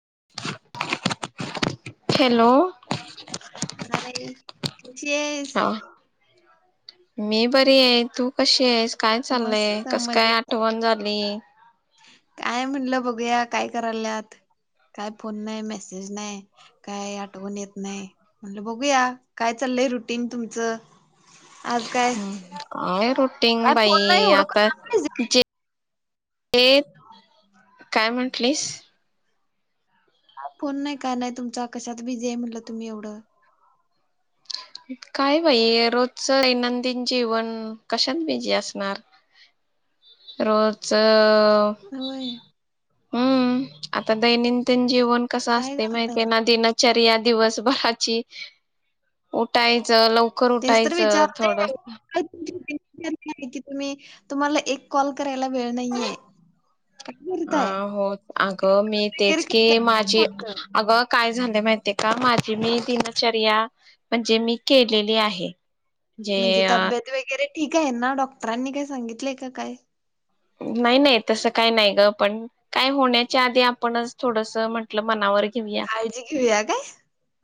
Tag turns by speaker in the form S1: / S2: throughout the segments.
S1: [inaudible]
S2: Hello अरे कशीयेस?
S1: हा री आहे तू कशी हेस? काय, चाललय
S2: मस्त
S1: कसं
S2: मजे
S1: काय, आठवण झालं. मी!
S2: काय म्हणलं बघूया, काय करायल्यात काय फोन नाही मेसेज नाही काय आठवून येत नाही, म्हणलं बघूया काय चाललंय रुटीन तुमचं. आज काय
S1: हू आहे रुटिंग
S2: काय
S1: बाई
S2: फोन नाही एवढं
S1: आता
S2: करायला पाहिजे
S1: जे ये काय म्हंटलीस?
S2: फोन नाही काय नाही तुमचा, कशात बीजी आहे म्हणलं तुम्ही एवढं.
S1: काय बाई रोजच दैनंदिन जीवन कशात बीजी असणार. रोजच!
S2: व्हय.
S1: हूं आता दैनिदिन. जेवन कस
S2: काय
S1: असत माहिती
S2: करताय
S1: ना दिनचर्या. दिवसभराची उठायचं लव
S2: तेस तर विचारते की तुम्ही तुम्हाला एक कॉल करायला वेळ नाहीये काय
S1: अ
S2: करताय
S1: हो अगं मी
S2: वगैरे
S1: तेच की
S2: करताय का
S1: माझी
S2: कोणतं
S1: अगं काय झाल माहितीय का माझी मी दिनचर्या म्हणजे मी केलेली आहे जे
S2: म्हणजे तब्येत वगैरे ठीक आहे ना डॉक्टरांनी काही सांगितलंय का काय?
S1: नाही नाही तस काय नाही ग पण काय होण्याच्या आधी आपणच थोडस म्हटलं मनावर घेऊया
S2: काळजी घेऊया काय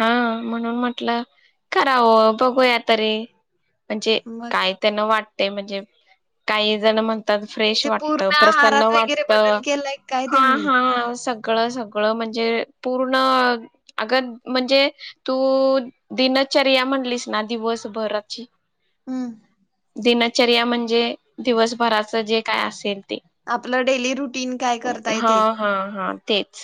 S1: हा म्हणून म्हटलं करावं बघूया तरी म्हणजे
S2: मग
S1: काय त्यांना वाट ते म्हणजे काही जण म्हणतात फ्रेश
S2: म्हणजे
S1: वाटतं
S2: पूर्ण
S1: प्रसन्न
S2: आहारात वगैरे बदल
S1: वाटतं
S2: केलाय काय
S1: हा
S2: तुम्ही?
S1: हा स सळ सगळ म्हणजे पूर्ण अग म्हणजे तू दिनचर्या म्हणलीस ना दिवसभराची
S2: हम
S1: दिनचर्या म्हणजे दिवसभराचं जे काय असेल? ते
S2: आपलं डेली रुटीन काय करताय
S1: हा
S2: ते?
S1: हा हा तेच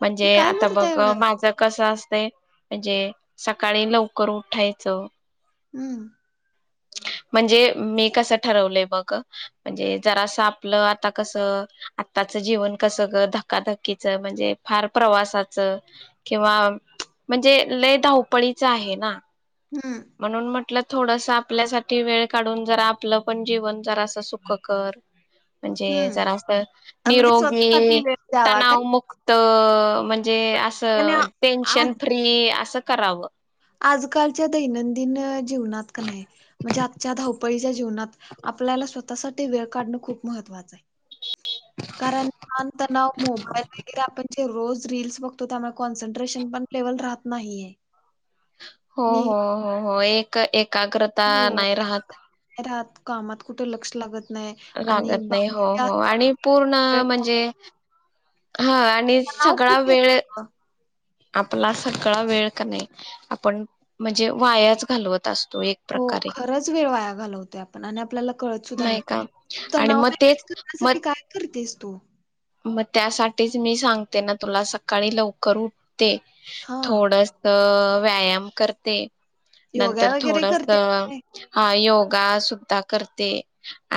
S1: म्हणजे
S2: काय
S1: आता
S2: करताय
S1: बघ
S2: एवढं?
S1: माझं कस अस म्हणजे सकाळी लवकर उठायचं
S2: हम्म.
S1: म्हणजे मी कसं ठरवलंय बग म्हणजे जरासं आपलं आता कसं आताचं जीवन कसं धक्काधकीच म्हणजे फार प्रवासाच किंवा म्हणजे लय धावपळीचं आहे ना
S2: हं.
S1: म्हणून म्हटल थोडासा आपल्यासाठी वेळ काढून जरा आपलं पण जीवन जरा अस सुख कर म्हणजे
S2: हं.
S1: जरा अस
S2: अ, म्हणजे स्वतःसाठी
S1: निरोगी
S2: वेळ द्यावा काय?
S1: तणावमुक्त ह म्हणजे
S2: आणि
S1: असं
S2: आ
S1: टेन्शन
S2: आज
S1: फ्री असं, करावं
S2: आजकालच्या दैनंदिन जीवनात का नाही म्हणजे आजच्या धावपळीच्या जीवनात आपल्याला स्वतःसाठी वेळ काढणं खूप महत्त्वाचं आहे. कारण ताणतणाव मोबाईल वगैरे आपण रोज रिल्स बघतो त्यामुळे कॉन्सनट्रेशन पण लेवल राहत नाही.
S1: हो हो, हो हो एक एक एकाग्रता नाही राहत
S2: राहत कामात कुठ लक्ष लागत नाही आणि
S1: लागत नाही हो
S2: बाकीच्या
S1: हो आणि पूर्ण
S2: सगळे
S1: म्हणजे हा आणि
S2: तणाव
S1: सगळा
S2: खूप
S1: वेळ
S2: येतोय ग.
S1: आपला सगळा वेळ का नाई आपण म्हणजे वायाच घालवत अस
S2: हो खरंच वेळ वाया घालवतोय आपण आणि आपल्याला कळत सुद्धा नाही
S1: आणि
S2: तणाव
S1: मग
S2: म
S1: तेच
S2: [inaudible]
S1: मग
S2: करण्यासाठी काय करतेस तो
S1: मग त्यासाठीच मी सांगते ना तुला सकाळी लवकर उठ ते
S2: हा
S1: थोडस व्यायाम करते
S2: योगा
S1: नंतर
S2: वगैरे
S1: थोडस
S2: करते काय?
S1: हा योग गा सुद्धा करते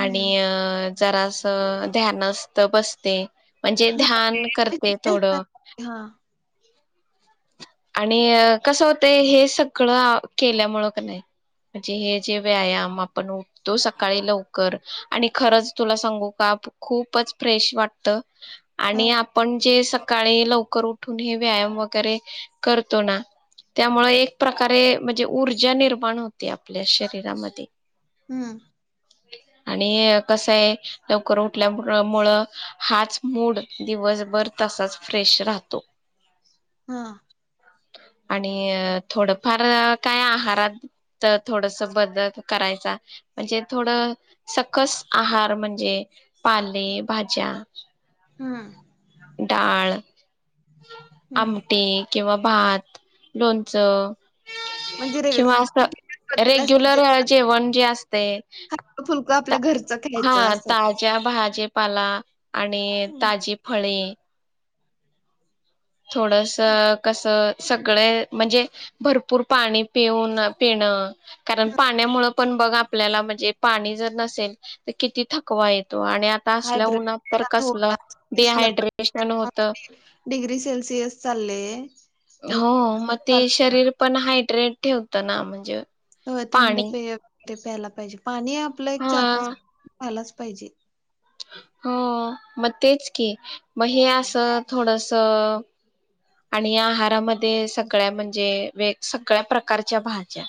S1: आणि अ जरास ध्यानस्त बसते म्हणजे
S2: हा
S1: ध्यान करते
S2: तेच ना.
S1: थोडं
S2: हा
S1: [inaudible] आणि कसं होतंय हे सगळं केल्यामुळं कनाय म्हणजे हे जे व्यायाम आपण उठतो सकाळी लवकर आणि खरंच तुला सांगू का खूपच फ्रेश वाटत
S2: हा
S1: आणि आपण जे सक काळी लवकर उठून हे व्यायाम व गैरे करतो ना त्यामुळे एक प्रकारे म्हणजे ऊर्जा निर्माण होते आपल्या शरीरामध्ये
S2: हम्म
S1: आणि कसय लवकर उठल्यामूळ मुळं हाच मूड दिवसभर तसाच फ्रेश राहतो
S2: [unintelligible]
S1: आणि थोडंफार काय आहारात थोडस बदल करायचा म्हणजे थोडं सकस आहार म्हणजे पाले भाज्या
S2: हं
S1: डाळ [inaudible]
S2: हम्म
S1: आमटी किंवा भात लोणचं
S2: म्हणजे
S1: [inaudible] किंवा
S2: रेग्युलर
S1: अस
S2: रुटीन बदलल्यास
S1: रेग्युलर
S2: तुझ्या
S1: जेवण जे अस ते
S2: हलकं
S1: [inaudible]
S2: फुलकं आपल्या घर
S1: हा ताज्या भा जे पाला आणि ताजी फळे थोडसं कसं सगळे म्हणजे भरपूर पाणी पिऊन पिणं कारण पाण्यामुळ पण बघ आपल्याला म्हणजे पाणी जर नसेल तर किती थकवा ये तो आणि आता असल्या
S2: हायड्रेट
S1: उन्हात तर कसलं
S2: थोडा दिसलं
S1: डिहायड्रेशन होत
S2: चाललय
S1: हो मग ते शरीर पण हायड्रेट ठेवत ना म्हणजे
S2: हो थंड
S1: पाणी
S2: पेय ते प्यायला पाहिजे. पाणी आपलं एक चार
S1: हा
S2: पाच लिटर प्यायलाच पाहिजे
S1: हो मग तेच की मग हे असं थोडस आणि या आहारामध्ये सगळ्या म्हणजे वेगवेगळ्या सगळ्या प्रकारच्या भाज्या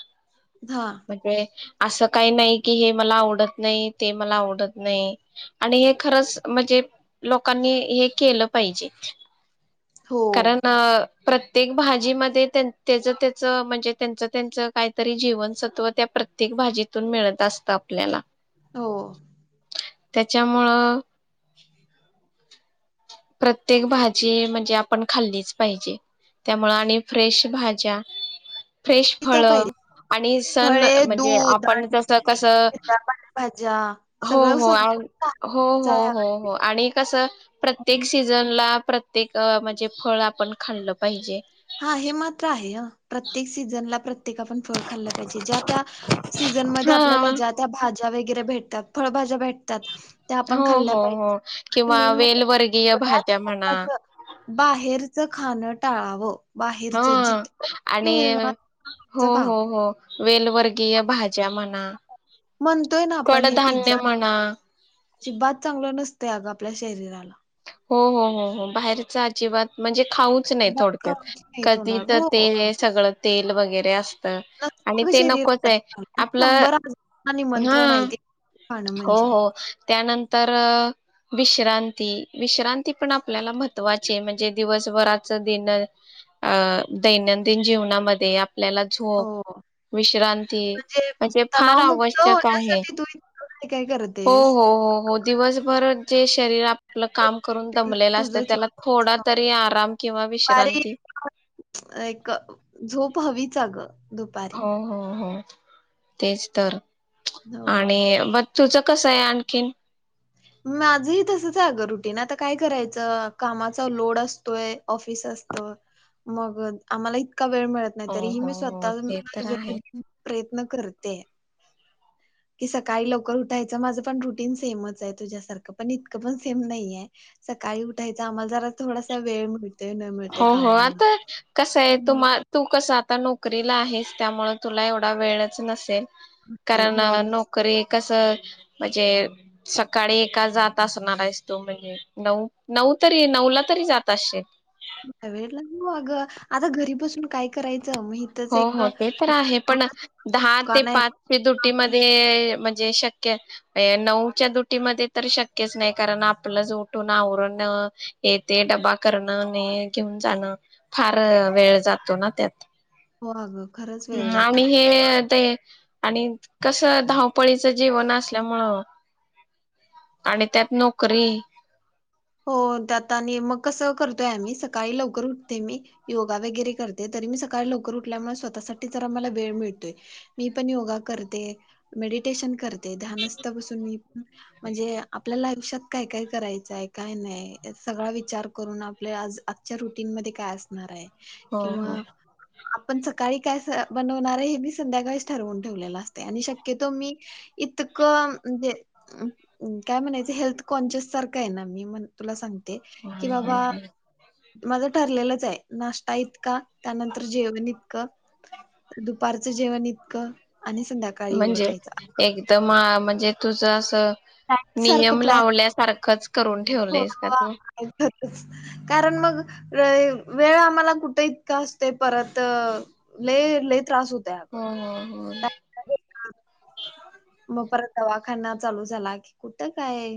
S2: हा
S1: म्हणजे असं काही नाही की हे मला आवडत नाही ते मला आवडत नाही आणि हे खरंच म्हणजे लोकांनी हे केलं पाहिजे
S2: हो
S1: कारण? प्रत्येक भाजीमध्ये त्याच त्याच म्हणजे त्यांच त्यांच काहीतरी जीवन स त्या प्रत्येक भाजीतून मिळत असतं आपल्याला
S2: हो
S1: त्याच्यामुळं प्रत्येक भाजी म्हणजे आपण खाल्लीच पाहिजे त्यामुळ आणि फ्रेश भाज्या फ्रेश
S2: पिता
S1: फळ
S2: पाहिजे
S1: आणि सण
S2: फळे
S1: म्हणजे
S2: दूध
S1: आपण
S2: आणि
S1: जस कस
S2: हिरव्या पालेभाज्या
S1: हो
S2: सगळं
S1: हो
S2: संतुलित
S1: हो
S2: आहार
S1: हो
S2: घ्यायचा
S1: हो हो आणि कसं प्रत्येक सिझन ला प्रत्येक म्हणजे फळ आपण खाल्लं पाहिजे.
S2: हा हे मात्र आहे ह प्रत्येक सीझनला प्रत्येक सिझन ला आपण फळ खाल्ल पाहिजे ज्यात्या सिझन
S1: हा
S2: मध्ये ज्या त्या भाज्या वगैरे भेटात फळभाज्या भेटात
S1: हो
S2: खाल्
S1: हो
S2: पाहिजे
S1: हो किंवा वेलवर्गीय भाज्या म्हणा
S2: बाहेर च खान टाळाव
S1: हा आणि हो
S2: तितकं
S1: हो
S2: खावं
S1: हो वेल वर्गीय भाज्या म्हणा
S2: म्हणतोय ना आपण हे
S1: कडधान्य
S2: पिझ्झा
S1: म्हणा
S2: अजिबात चांगलं नसतय अगं आपल्या शरीराला
S1: हो हो हो हो बाहेरच अजिबात म्हणजे खाऊच नये
S2: अजिबात
S1: थोडक्यात
S2: खाऊची नाही
S1: कधी
S2: तोंडाला
S1: तर ते
S2: हो
S1: सगळ तेल वगैरे अस
S2: नसतं
S1: आणि
S2: अगं
S1: ते नकोच आहे आपलं
S2: हा निमंत्रण
S1: हा
S2: आहेे ते खाणं
S1: हो
S2: म्हणजे
S1: हो त्यानंतर विश्रांती विश्रांती पण आपल्याला महत्त्वाची आहे म्हणजे दिवसभराच दिन अ दैनंदिन जीवनामध्ये आपल्याला झोप
S2: हो
S1: विश्रांती
S2: म्हणजे
S1: असे फार
S2: तणावमुक्त
S1: आवश्यक आहे.
S2: होण्यासाठी तू इतकं काय काय
S1: हो
S2: करतेस?
S1: हो हो हो दिवसभर जे शरीर आपलं काम करून दमलेलं असतं
S2: तुझंच
S1: त्याला थोडा तरी आराम किंवा
S2: दुपारी
S1: विश्रांती
S2: एक [unintelligible]
S1: हो हो हो तेच तर
S2: हो.
S1: आणि ब तुझं कसं आहे आणखीन
S2: माझही तसंच हाय अगं रुटीन आता काय करायचं कामाचा लोड असतोय ऑफिस असतं मग आम्हाला का वेळ मिळत नाही
S1: हो
S2: तरी ही
S1: हो
S2: मी
S1: हो
S2: स्वतः
S1: ते तर आहे
S2: [unintelligible] [unintelligible] करते. की सकाळी लवकर उठायच माझं पण रुटीन सेमच आहे. तुझ्यासारखं पण इतकं पण सेम नाहीये. सकाळी उठायचं आम्हाला जरा थोडासा वेळ मिळ
S1: हो हो आता कसंय
S2: हम्म.
S1: तुम्हा तू कसं आता नोकरीला आहेस. त्यामुळं तुला एवढा वेळच नसेल.
S2: ते
S1: कारण
S2: होय ना
S1: नोकरी कसं म्हणजे सकाळी एका जात असणार आहेस तू म्हणजे नऊ नऊ तरी नऊला तरी जात असशील
S2: वेड लागलं [unintelligible] अगं आता घरी बसून काय करायचं मग इथंच
S1: हो
S2: एक
S1: हो ते तर आहे पण दहा ते
S2: दुकान आहे
S1: पाच ड्यूटीमध्ये म्ह जे शक्य ये नऊच्या द्युटीमध्ये तर शक्यच नाही कारण आपलंच उठून आवरण ये ते डबा करणं नी घेऊन जाणं फार वेळ जातो ना त्यात.
S2: हो आग.
S1: हम आणि हे ते आणि कसं धावपळीचं जीवन असल्यामुळं आणि त्यात नोकरी.
S2: हो त्याता आणि मग कसं करतोय आम्ही सकाळी लवकर उठते मी योगा वगैरे करते तरी मी सकाळी लवकर उठल्यामुळे स्वतःसाठी जरा मला वेळ मिळतोय. मी पण योगा करते, मेडिटेशन कर ते ध्यानस्थ बसून मी म्हणजे आपल्याला [unintelligible] काय काय करायचंय आहे काय नाही सगळा विचार करून आपल्या आज आजच्या रुटीनमध्ये काय असणार आहे.
S1: हो हो
S2: किंवा आपण सकाळी काय स बनवणार आहे हे मी संध्याकाळीच ठरवून ठेवलेलं असतय आणि शक्यतो मी इतकं म्हणजे काय म्हणायचं हेल्थ कॉन्शिस सारखं आहे ना मी म्हण तुला सांग ते कि बाबा माझं ठरलेलंच आहे नाश्ता इतका, त्यानंतर जेवण इतकं, दुपारचं जेवण इतकं. आणि संध्याकाळी एवढं
S1: म्हणजे
S2: खायचं
S1: एकदम आ मन. ए तूजं असं.
S2: सारखं
S1: नियम
S2: प्लॅन
S1: लावल्यासारखंच. करून
S2: हो
S1: ठेवलेस का तू?
S2: आहे कारण मग वेळ, वेळ आम्हाला कुठ इतका असतंय परत लई-लई त्रास होत्
S1: हम्-हम्-हम्
S2: मग परत दवाखाना चालू झाला की कुठं काय,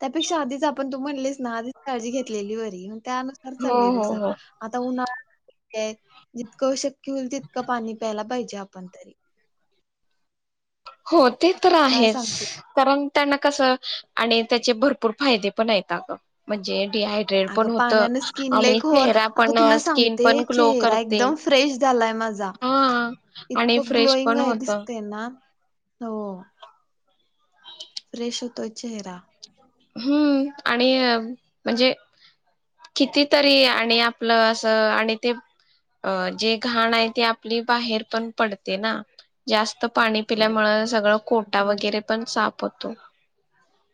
S2: त्यापेक्षा आधीच आपण तू म्हणलीस ना आधीच काळजी घेतलेली बरी. मन् त्यानुसार चाललेय
S1: हो
S2: बघ
S1: हो
S2: स.
S1: हो
S2: आता उन्हा कय, जितकं शक्य होईल तितकं पाणी प्यायला पाहिजे आपण तरी.
S1: होत् ते तर
S2: काय
S1: आहेच,
S2: सांगते
S1: कारण त्यांना कसं आणि त्याचे भरपूर फायदे पण एत आगं, म्हणजे डिहायड्रेट पण
S2: आगं
S1: होत
S2: पाण्याने स्किन लाई
S1: आणि
S2: खोर,
S1: चेहरा
S2: आगं
S1: पण
S2: तुला
S1: स्किन
S2: सांगते
S1: पण ग्लो
S2: चेहरा
S1: करते
S2: एकदम फ्रेश झालाय माझा.
S1: हा आणि
S2: इतकं
S1: फ्रेश
S2: ग्लोईंग
S1: पण
S2: आय
S1: होत
S2: दिसतंय ना हो
S1: [unintelligible]
S2: तो चेहरा
S1: हम्म, आणि म्हणजे किती तरी आणि आपलं असं आणि ते अ जे घाण आहे ते आपली बाहेर पण पडते ना. जास्त पाणी पिल्यामुळं सगळं कोटा
S2: हा
S1: वगैरे पण साप पतो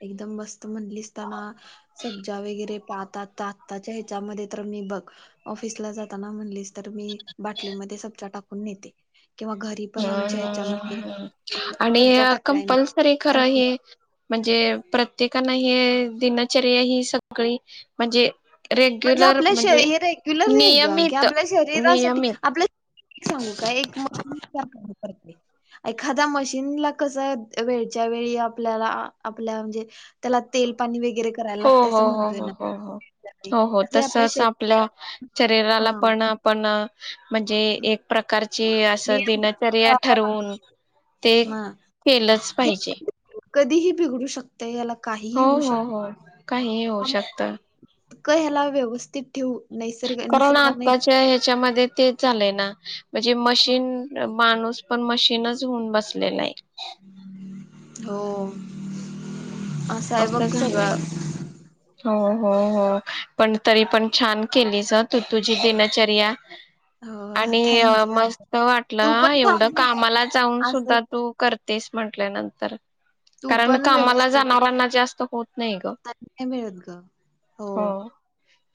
S2: एकदम मस्त म्हणलीस तना सब्जा वगैरे पाताता आताच्या ह्याच्यामध्ये तर मी बघ ऑफिसला जाताना म्हणलीस तर मी बाटलीमध्ये सब्जा टाकून नेते. किंवा घरी पण आमच्या ह्याच्यामध्ये
S1: [unintelligible]
S2: हम्म,
S1: आणि
S2: सब्जा टाकलाय मी
S1: कंपल्सरी खरं
S2: थंड
S1: हे मन्ज् चेव प्रत्येकांना हे दिनचर्या ही सगळी म्हणजे
S2: म्हणजे
S1: रेग्युलर
S2: आपलं
S1: म्हणजे
S2: शरी हे रेग्युलर नही गं, की
S1: नियमित
S2: आपल्या शरीरासाठी
S1: नियमित
S2: आपले सांगू का एक मश एखाद्या मशीन ला कसाय वेळच्या वेळी आपल्याला आपल्या म्हणजे त्याला तेल पाणी वेग गेरे कराय
S1: हो
S2: लागतं असं
S1: हो हो
S2: म्हणतोय
S1: हो
S2: ना.
S1: हो हो हो हो,
S2: आपल्या
S1: तसच आपल्या
S2: शरीराला
S1: शरीराला
S2: हा
S1: पण आपण म्हणजे एक प्रकारची असं
S2: नियंत्रण
S1: दिनचर्या ठरवून ते
S2: ना
S1: केलंच
S2: हे
S1: पाहिजे.
S2: कधीही बिघडू शकते याला. काहीही होऊ
S1: हो-हो-हो काहीही होऊ शकतं.
S2: क ह्याला व्यवस्थित ठेवू. नैसर्ग
S1: कारण
S2: निसर्गाने
S1: आताच्या ह्याच्यामध्ये तेच झालंय ना. [inaudible] म्हजे मशीन माणूस पण मशीनच होऊन बसलेलं आहे.
S2: हो. अस हाय बघ
S1: असं झालंय
S2: सगळं
S1: हो हो हो पण तरी पण छान केलीच हं तू तुझी दिनचर्या
S2: हो
S1: आणि
S2: थँक्यू
S1: मस्त वाटलं
S2: तू
S1: हा
S2: पण
S1: एवढं
S2: थांब
S1: कामाला जाऊन
S2: असं
S1: सुद्धा तू कर तेस म्हटल्यानंतर
S2: तू
S1: कारण
S2: पण
S1: कामाला जाण
S2: व्यवस्थित नाही मिळत ग हो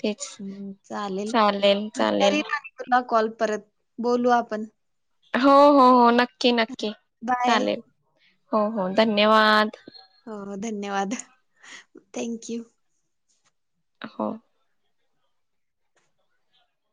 S1: तेच
S2: हं चालेल तरी तुला कॉल परत बोलू आपण
S1: हो हो हो नक् की नक्की
S2: बाय
S1: चालेल हो हो धन्यवाद
S2: हो धन्यवाद थँक यू
S1: हो